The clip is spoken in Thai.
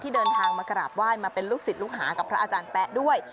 เดินทางมากราบไหว้มาเป็นลูกศิษย์ลูกหากับพระอาจารย์แป๊ะด้วย